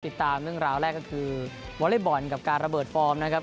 ติดตามเรื่องราวแรกก็คือวอเล็กบอลกับการระเบิดฟอร์มนะครับ